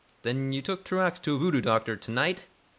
"Then you took Truax to a voodoo doctor to night?"